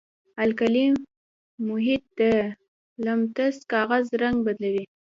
القلي محیط د لتمس کاغذ رنګ بدلوي.